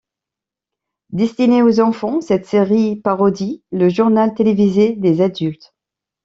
Destinée aux enfants, cette série parodie le journal télévisé des adultes.